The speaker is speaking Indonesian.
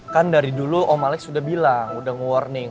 kan dari dulu om malex sudah bilang udah nge warning